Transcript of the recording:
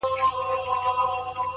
خپل راتلونکی خوندي او روښانه کړه